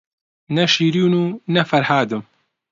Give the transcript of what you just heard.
نە شیرین و نە فەرهادم